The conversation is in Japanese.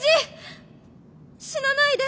死なないで。